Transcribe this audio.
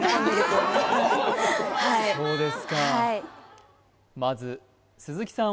そうですかはいまず鈴木さん